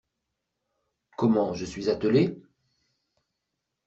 Comment, je suis attelée ?